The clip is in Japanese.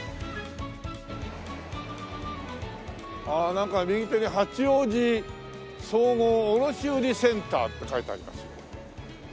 ああなんか右手に「八王子総合卸売センター」って書いてありますよ。